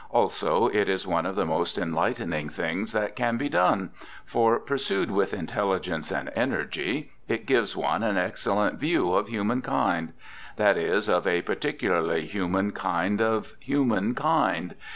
Also, it is one of the most enlightening things that can be done, for, pursued with intelligence and energy, it gives one an excellent view of humankind; that is, of a particularly human kind of humankind.